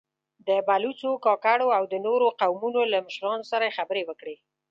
له بلوڅو، کاکړو او د نورو قومونو له مشرانو سره يې خبرې وکړې.